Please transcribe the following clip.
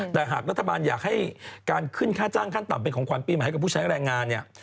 แต่หากรัฐบาลอยากให้การขึ้นค่าจ้างขั้นต่ำเป็นของขวัญปีใหม่ให้กับผู้ใช้แรงงานเนี่ย